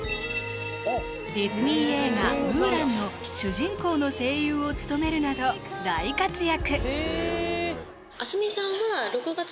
ディズニー映画「ムーラン」の主人公の声優を務めるなど大活躍